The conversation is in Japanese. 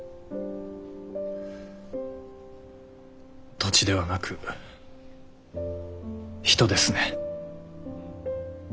土地ではなく人ですね。